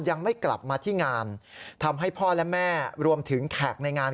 ยังไม่กลับมาที่งานทำให้พ่อและแม่รวมถึงแขกในงาน